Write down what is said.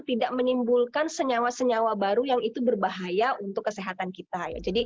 tidak menimbulkan senyawa senyawa baru yang itu berbahaya untuk kesehatan kita ya jadi